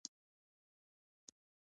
خلک د هغه د سندرغاړي کېدو څخه ډارېدل